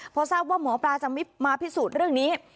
พอทราบว่าหมอปลาจะไม่มาพิสูจน์เรื่องนี้